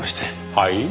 はい？